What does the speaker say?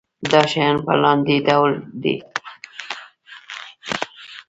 دا شیان په لاندې ډول دي.